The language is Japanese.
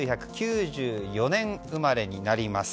１９９４年生まれになります。